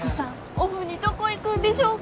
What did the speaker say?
オフにどこ行くんでしょうか？